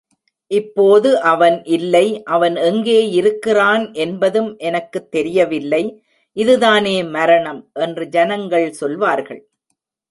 இப்போது அவன் இல்லை, அவன் எங்கேயிருக்கிறான் என்பதும் எனக்குத் தெரியவில்லை இதுதானே மரணம்! என்று ஜனங்கள் சொல்வார்கள்.